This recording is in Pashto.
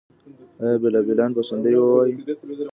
آیا بلبلان به سندرې ووايي؟